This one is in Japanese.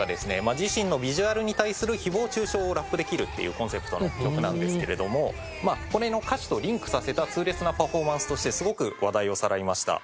自身のビジュアルに対する誹謗中傷をラップで斬るっていうコンセプトの曲なんですけれどもまあこれの歌詞とリンクさせた痛烈なパフォーマンスとしてすごく話題をさらいました。